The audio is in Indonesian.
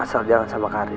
asal jalan sama karin